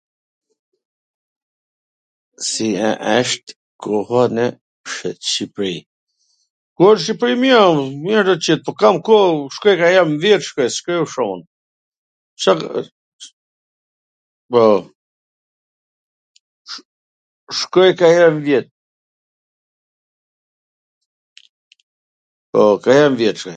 Si wsht koha nw Shqipri? Koha nw Shqipri mir a, mir qet, kur kam koh, shkoj ka nj her n vjet, po, ka nj her n vjet shkoj.